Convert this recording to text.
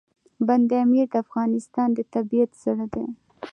بند امیر د افغانستان د طبیعت زړه دی.